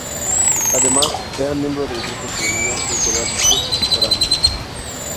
Además era miembro del grupo femenino de Corea del Sur, "Orange".